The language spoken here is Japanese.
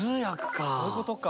そういうことか。